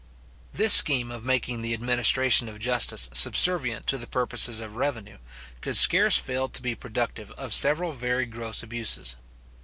This scheme of making the administration of justice subservient to the purposes of revenue, could scarce fail to be productive of several very gross abuses.